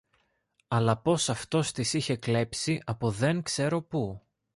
αλλά πως αυτός τις είχε κλέψει από δεν ξέρω που